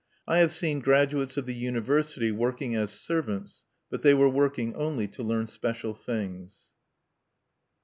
I have seen graduates of the university working as servants; but they were working only to learn special things.